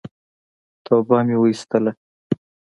توبه مي واېستله !